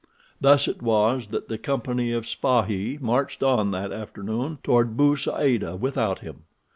Thus it was that the company of spahis marched on that afternoon toward Bou Saada without him.